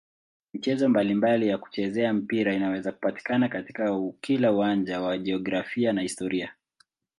Michezo mbalimbali ya kuchezea mpira inaweza kupatikana katika kila uwanja wa jiografia na historia.